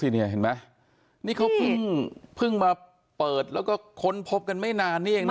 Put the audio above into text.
นี่เขาเพิ่งมาเปิดแล้วก็ค้นพบกันไม่นานเนี่ยเองนะ